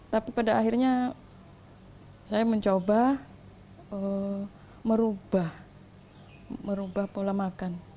tapi pada akhirnya saya mencoba merubah pola makan